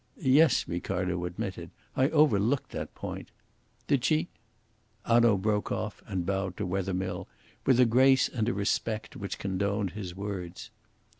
"Yes," Ricardo admitted. "I overlooked that point." "Did she " Hanaud broke off and bowed to Wethermill with a grace and a respect which condoned his words.